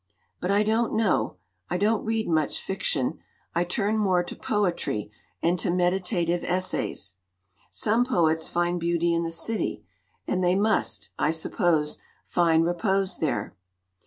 But I don't know. I LITERATURE IN THE MAKING don't read much fiction. I turn more to poetry and to meditative essays. Some poets find beauty in the city, and they must, I suppose, find repose there.